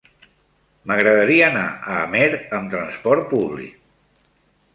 M'agradaria anar a Amer amb trasport públic.